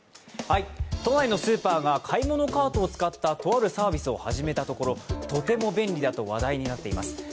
都内のスーパーが買い物カートを使ったとあるサービスを始めたところとても便利だと話題になっています。